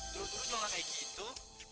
dulu dulu juga gak kaya gitu